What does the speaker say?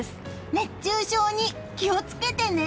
熱中症に気を付けてね！